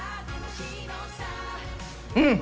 うん！